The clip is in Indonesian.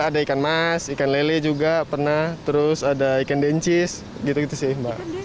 ada ikan mas ikan lele juga pernah terus ada ikan dencis gitu gitu sih mbak